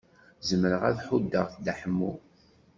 Zemreɣ ad ḥuddeɣ Dda Ḥemmu.